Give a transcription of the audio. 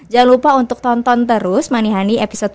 jangan lupa untuk tonton terus manihani episode